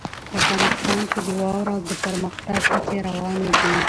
افغانستان کې د واوره د پرمختګ هڅې روانې دي.